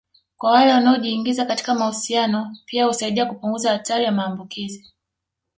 kwa wale wanaojiingiza katika mahusiano pia husaidia kupunguza hatari ya maambukizi